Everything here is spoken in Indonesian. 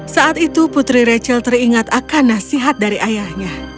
saat itu putri rachel teringat akan nasihat dari ayahnya